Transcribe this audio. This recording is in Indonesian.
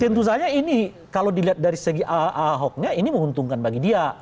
tentu saja ini kalau dilihat dari segi ahoknya ini menguntungkan bagi dia